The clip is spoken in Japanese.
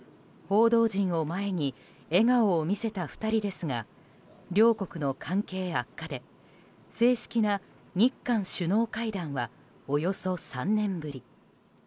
報道陣を前に笑顔を見せた２人ですが両国の関係悪化で正式な日韓首脳会談はおよそ３年ぶり。